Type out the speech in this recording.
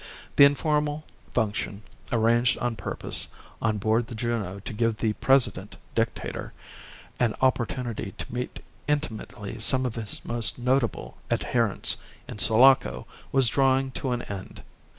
The informal function arranged on purpose on board the Juno to give the President Dictator an opportunity to meet intimately some of his most notable adherents in Sulaco was drawing to an end.